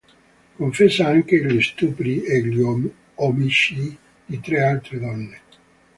Confessa anche gli stupri e gli omicidi di tre altre donne.